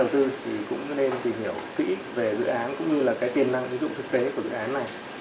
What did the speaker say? ví dụ thực tế của dự án này